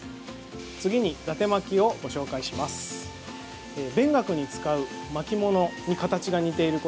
次に、だて巻きをご紹介します。